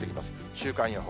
週間予報。